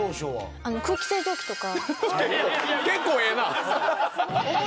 空気清浄機とか。